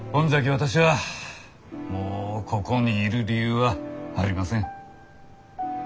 私はもうここにいる理由はありません。